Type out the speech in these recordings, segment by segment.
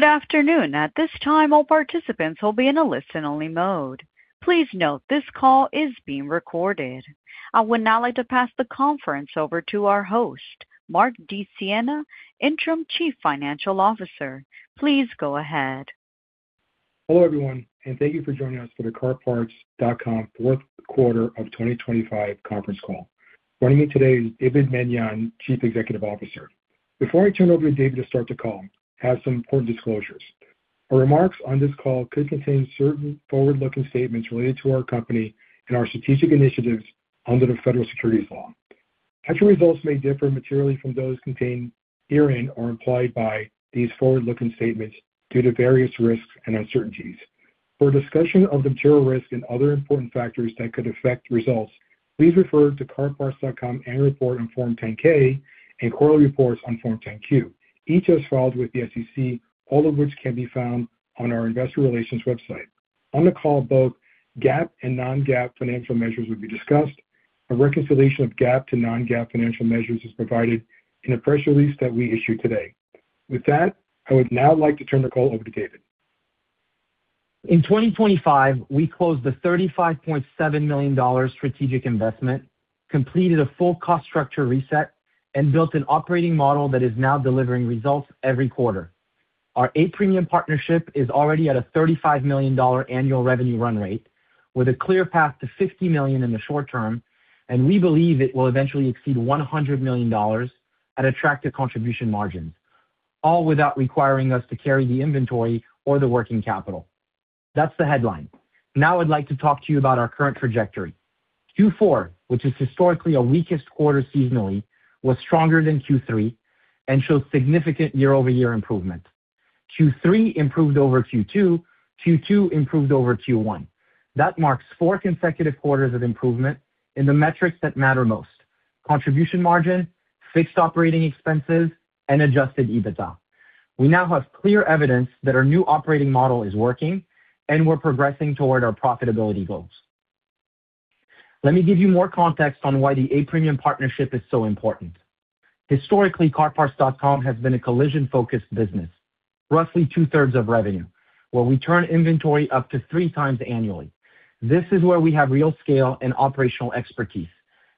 Good afternoon. At this time, all participants will be in a listen-only mode. Please note this call is being recorded. I would now like to pass the conference over to our host, Mark DiSiena, Interim Chief Financial Officer. Please go ahead. Hello, everyone, thank you for joining us for the CarParts.com fourth quarter of 2025 conference call. Joining me today is David Meniane, Chief Executive Officer. Before I turn over to David to start the call, I have some important disclosures. Our remarks on this call could contain certain forward-looking statements related to our company and our strategic initiatives under the federal securities law. Actual results may differ materially from those contained herein or implied by these forward-looking statements due to various risks and uncertainties. For a discussion of the material risks and other important factors that could affect results, please refer to CarParts.com annual report on Form 10-K and quarterly reports on Form 10-Q, each as filed with the SEC, all of which can be found on our investor relations website. On the call, both GAAP and non-GAAP financial measures will be discussed. A reconciliation of GAAP to non-GAAP financial measures is provided in a press release that we issued today. With that, I would now like to turn the call over to David. In 2025, we closed a $35.7 million strategic investment, completed a full cost structure reset, and built an operating model that is now delivering results every quarter. Our A-Premium partnership is already at a $35 million annual revenue run rate with a clear path to $50 million in the short term, and we believe it will eventually exceed $100 million at attractive contribution margins, all without requiring us to carry the inventory or the working capital. That's the headline. Now I'd like to talk to you about our current trajectory. Q4, which is historically our weakest quarter seasonally, was stronger than Q3 and shows significant year-over-year improvement. Q3 improved over Q2 improved over Q1. That marks four consecutive quarters of improvement in the metrics that matter most: contribution margin, fixed operating expenses, and adjusted EBITDA. We now have clear evidence that our new operating model is working, and we're progressing toward our profitability goals. Let me give you more context on why the A-Premium partnership is so important. Historically, CarParts.com has been a collision-focused business, roughly 2/3 of revenue, where we turn inventory up to 3x annually. This is where we have real scale and operational expertise,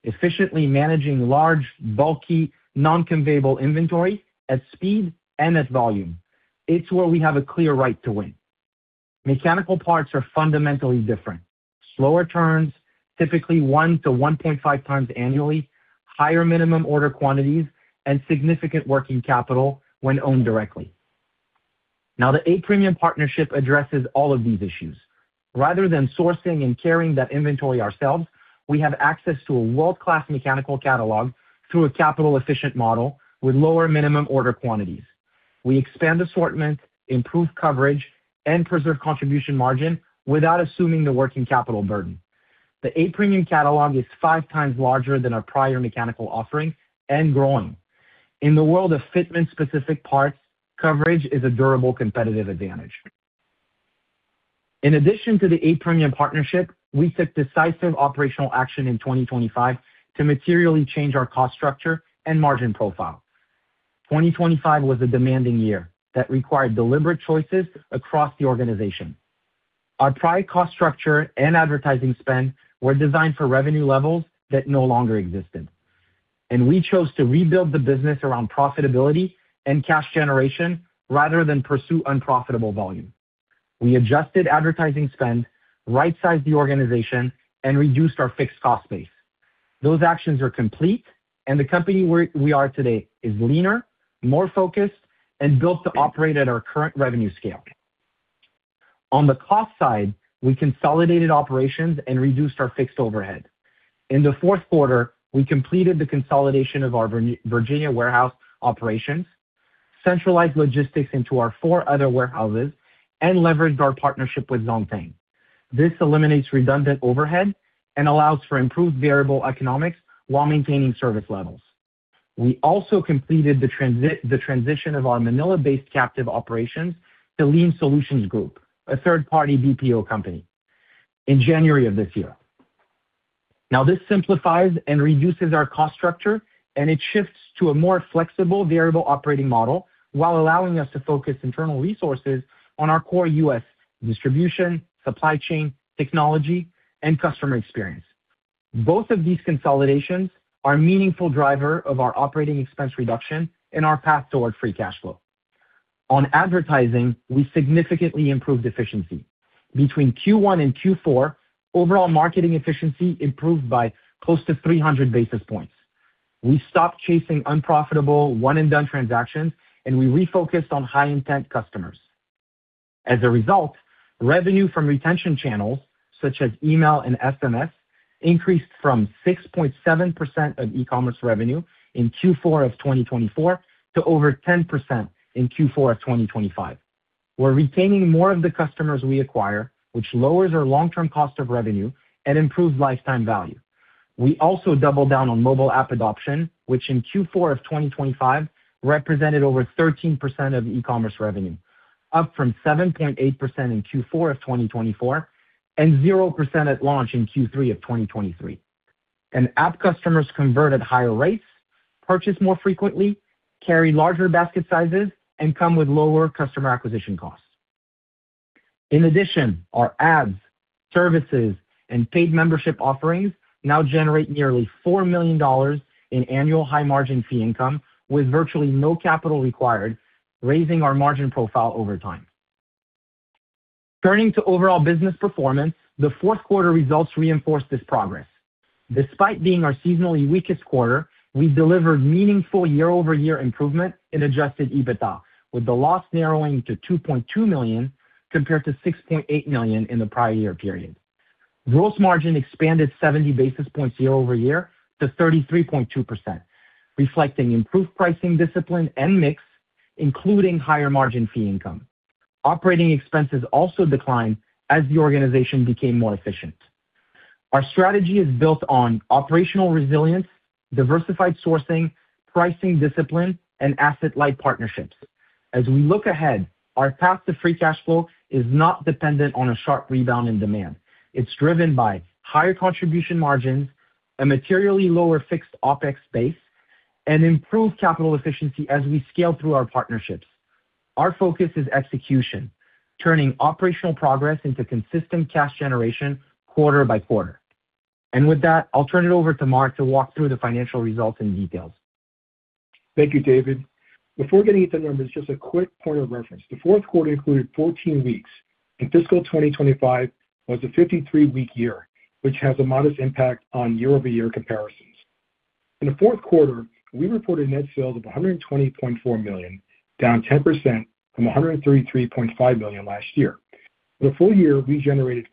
efficiently managing large, bulky, non-conveyable inventory at speed and at volume. It's where we have a clear right to win. Mechanical parts are fundamentally different. Slower turns, typically 1-1.5x annually, higher minimum order quantities, and significant working capital when owned directly. The A-Premium partnership addresses all of these issues. Rather than sourcing and carrying that inventory ourselves, we have access to a world-class mechanical catalog through a capital-efficient model with lower minimum order quantities. We expand assortment, improve coverage, and preserve contribution margin without assuming the working capital burden. The A-Premium catalog is 5x larger than our prior mechanical offering and growing. In the world of fitment-specific parts, coverage is a durable competitive advantage. In addition to the A-Premium partnership, we took decisive operational action in 2025 to materially change our cost structure and margin profile. 2025 was a demanding year that required deliberate choices across the organization. Our prior cost structure and advertising spend were designed for revenue levels that no longer existed, we chose to rebuild the business around profitability and cash generation rather than pursue unprofitable volume. We adjusted advertising spend, right-sized the organization, and reduced our fixed cost base. Those actions are complete, the company we are today is leaner, more focused, and built to operate at our current revenue scale. On the cost side, we consolidated operations and reduced our fixed overhead. In the fourth quarter, we completed the consolidation of our Virginia warehouse operations, centralized logistics into our four other warehouses, and leveraged our partnership with ZongTeng Group. This eliminates redundant overhead and allows for improved variable economics while maintaining service levels. We also completed the transition of our Manila-based captive operations to Lean Solutions Group, a third-party BPO company, in January of this year. This simplifies and reduces our cost structure, and it shifts to a more flexible variable operating model while allowing us to focus internal resources on our core U.S. distribution, supply chain, technology, and customer experience. Both of these consolidations are a meaningful driver of our operating expense reduction and our path toward free cash flow. On advertising, we significantly improved efficiency. Between Q1 and Q4, overall marketing efficiency improved by close to 300 basis points. We stopped chasing unprofitable one-and-done transactions, and we refocused on high-intent customers. As a result, revenue from retention channels, such as email and SMS, increased from 6.7% of e-commerce revenue in Q4 of 2024 to over 10% in Q4 of 2025. We're retaining more of the customers we acquire, which lowers our long-term cost of revenue and improves lifetime value. We also doubled down on mobile app adoption, which in Q4 of 2025 represented over 13% of e-commerce revenue, up from 7.8% in Q4 of 2024 and 0% at launch in Q3 of 2023. App customers convert at higher rates, purchase more frequently, carry larger basket sizes, and come with lower customer acquisition costs. In addition, our ads, services, and paid membership offerings now generate nearly $4 million in annual high-margin fee income with virtually no capital required, raising our margin profile over time. Turning to overall business performance, the fourth quarter results reinforced this progress. Despite being our seasonally weakest quarter, we delivered meaningful year-over-year improvement in adjusted EBITDA, with the loss narrowing to $2.2 million compared to $6.8 million in the prior year period. Gross margin expanded 70 basis points year-over-year to 33.2%, reflecting improved pricing discipline and mix, including higher margin fee income. Operating expenses also declined as the organization became more efficient. Our strategy is built on operational resilience, diversified sourcing, pricing discipline, and asset-light partnerships. As we look ahead, our path to free cash flow is not dependent on a sharp rebound in demand. It's driven by higher contribution margins, a materially lower fixed OpEx base, and improved capital efficiency as we scale through our partnerships. Our focus is execution, turning operational progress into consistent cash generation quarter by quarter. With that, I'll turn it over to Mark to walk through the financial results in detail. Thank you, David. Before getting into the numbers, just a quick point of reference. The fourth quarter included 14 weeks, and fiscal 2025 was a 53-week year, which has a modest impact on year-over-year comparisons. In the fourth quarter, we reported net sales of $120.4 million, down 10% from $133.5 million last year. For the full year, we generated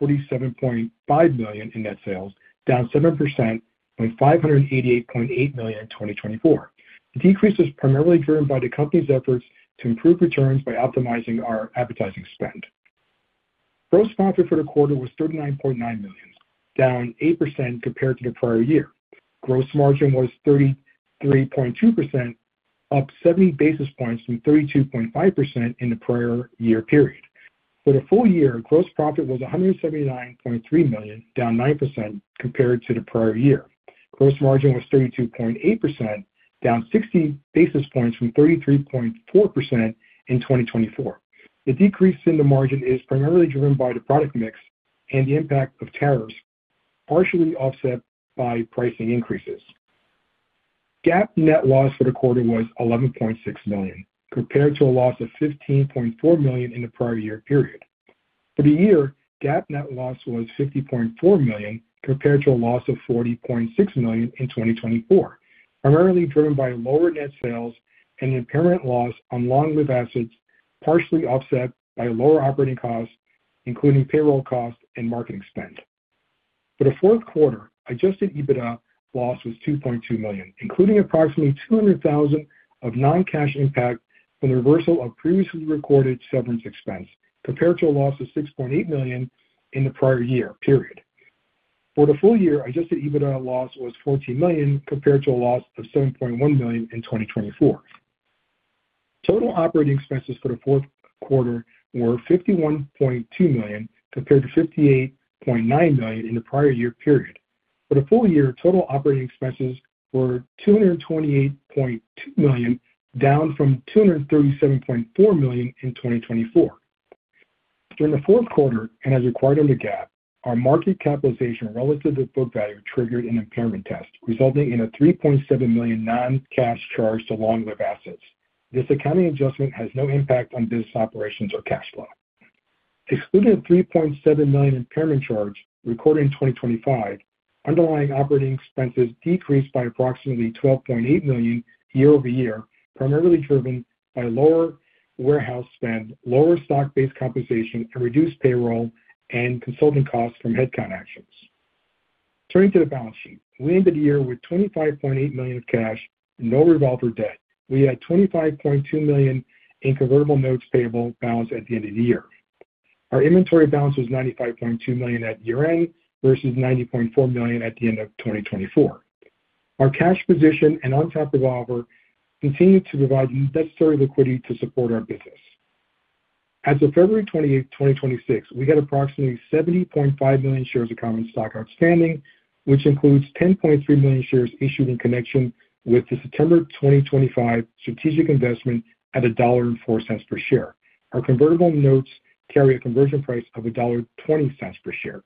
$547.5 million in net sales, down 7% from $588.8 million in 2024. The decrease was primarily driven by the company's efforts to improve returns by optimizing our advertising spend. Gross profit for the quarter was $39.9 million, down 8% compared to the prior year. Gross margin was 33.2%, up 70 basis points from 32.5% in the prior year period. For the full year, gross profit was $179.3 million, down 9% compared to the prior year. Gross margin was 32.8%, down 60 basis points from 33.4% in 2024. The decrease in the margin is primarily driven by the product mix and the impact of tariffs, partially offset by pricing increases. GAAP net loss for the quarter was $11.6 million, compared to a loss of $15.4 million in the prior year period. For the year, GAAP net loss was $50.4 million, compared to a loss of $40.6 million in 2024, primarily driven by lower net sales and impairment loss on long-lived assets, partially offset by lower operating costs, including payroll costs and marketing spend. For the fourth quarter, adjusted EBITDA loss was $2.2 million, including approximately $200,000 of non-cash impact from the reversal of previously recorded severance expense, compared to a loss of $6.8 million in the prior year period. For the full year, adjusted EBITDA loss was $14 million, compared to a loss of $7.1 million in 2024. Total operating expenses for the fourth quarter were $51.2 million, compared to $58.9 million in the prior year period. For the full year, total operating expenses were $228.2 million, down from $237.4 million in 2024. During the fourth quarter, as required under GAAP, our market capitalization relative to book value triggered an impairment test, resulting in a $3.7 million non-cash charge to long-lived assets. This accounting adjustment has no impact on business operations or cash flow. Excluding the $3.7 million impairment charge recorded in 2025, underlying operating expenses decreased by approximately $12.8 million year-over-year, primarily driven by lower warehouse spend, lower stock-based compensation, and reduced payroll and consulting costs from headcount actions. Turning to the balance sheet. We ended the year with $25.8 million of cash, no revolver debt. We had $25.2 million in convertible notes payable balance at the end of the year. Our inventory balance was $95.2 million at year-end versus $90.4 million at the end of 2024. Our cash position and on-tap revolver continue to provide the necessary liquidity to support our business. As of February 28, 2026, we had approximately 70.5 million shares of common stock outstanding, which includes 10.3 million shares issued in connection with the September 2025 strategic investment at $1.04 per share. Our convertible notes carry a conversion price of $1.20 per share.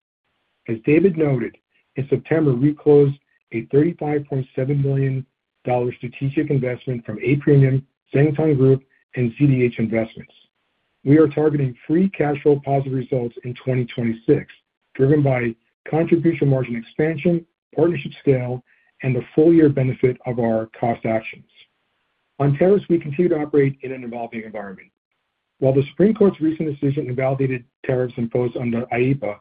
As David noted, in September, we closed a $35.7 million strategic investment from A-Premium, ZongTeng Group, and CDH Investments. We are targeting free cash flow positive results in 2026, driven by contribution margin expansion, partnership scale, and the full year benefit of our cost actions. On tariffs, we continue to operate in an evolving environment. While the Supreme Court's recent decision invalidated tariffs imposed under IEEPA,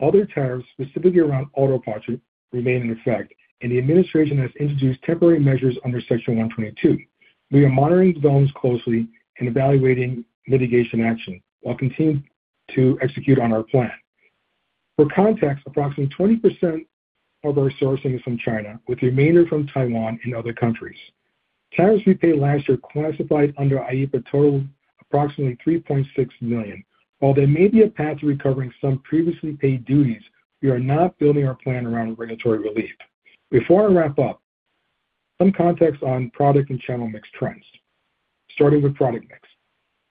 other tariffs, specifically around auto parts, remain in effect. The administration has introduced temporary measures under Section 122. We are monitoring developments closely and evaluating litigation action while continuing to execute on our plan. For context, approximately 20% of our sourcing is from China, with the remainder from Taiwan and other countries. Tariffs we paid last year classified under IEEPA totaled approximately $3.6 million. While there may be a path to recovering some previously paid duties, we are not building our plan around regulatory relief. Before I wrap up, some context on product and channel mix trends, starting with product mix.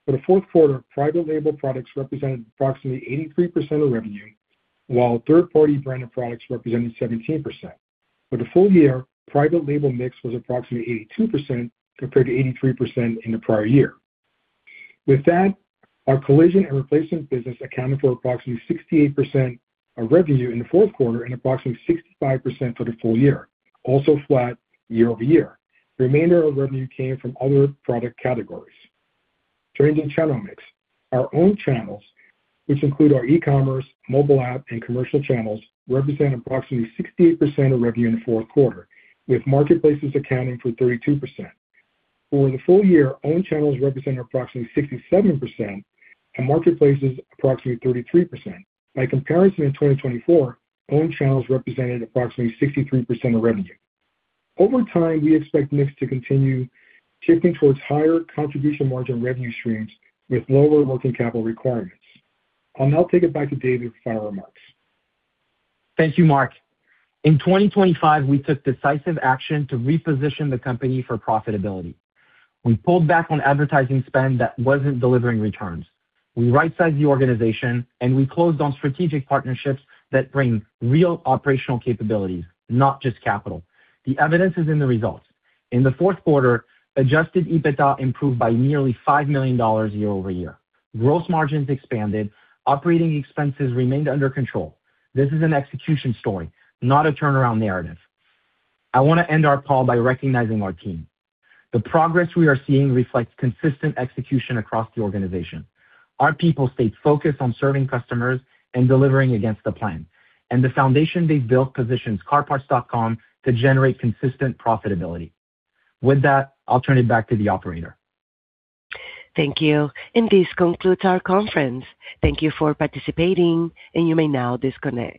For the fourth quarter, private label products represented approximately 83% of revenue, while third-party branded products represented 17%. For the full year, private label mix was approximately 82% compared to 83% in the prior year. With that, our collision and replacement business accounted for approximately 68% of revenue in the fourth quarter and approximately 65% for the full year, also flat year-over-year. The remainder of revenue came from other product categories. Turning to channel mix. Our own channels, which include our e-commerce, mobile app, and commercial channels, represent approximately 68% of revenue in the fourth quarter, with marketplaces accounting for 32%. Over the full year, owned channels represented approximately 67% and marketplaces approximately 33%. By comparison, in 2024, owned channels represented approximately 63% of revenue. Over time, we expect mix to continue shifting towards higher contribution margin revenue streams with lower working capital requirements. I'll now take it back to David for final remarks. Thank you, Mark. In 2025, we took decisive action to reposition the company for profitability. We pulled back on advertising spend that wasn't delivering returns. We rightsized the organization. We closed on strategic partnerships that bring real operational capabilities, not just capital. The evidence is in the results. In the fourth quarter, adjusted EBITDA improved by nearly $5 million year-over-year. Gross margins expanded. Operating expenses remained under control. This is an execution story, not a turnaround narrative. I wanna end our call by recognizing our team. The progress we are seeing reflects consistent execution across the organization. Our people stayed focused on serving customers and delivering against the plan. The foundation they've built positions CarParts.com to generate consistent profitability. With that, I'll turn it back to the operator. Thank you. This concludes our conference. Thank you for participating, and you may now disconnect.